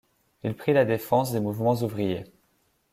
Il prit la défense des mouvements ouvriers.